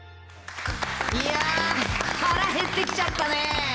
いやー、腹減ってきちゃったね。